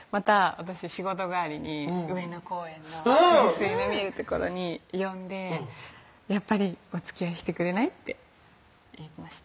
私仕事帰りに上野公園の噴水の見える所に呼んで「やっぱりおつきあいしてくれない？」って言いました